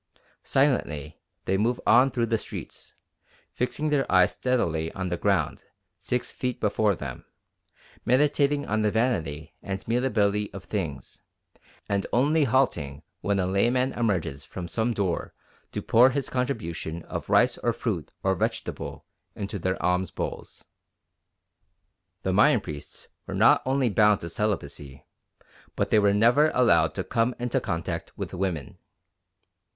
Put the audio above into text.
Silently they move on through the streets, fixing their eyes steadily on the ground six feet before them, meditating on the vanity and mutability of things, and only halting when a layman emerges from some door to pour his contribution of rice or fruit or vegetable into their alms bowls." The Mayan priests were not only bound to celibacy, but they were never allowed to come into contact with women.